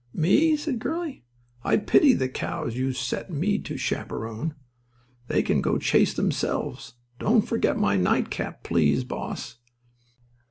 "Me?" said Curly. "I pity the cows you set me to chaperon. They can go chase themselves. Don't forget my nightcap, please, boss."